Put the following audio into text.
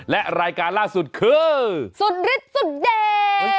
และรายการล่าสุดคือสุดฤทธิ์สุดเดช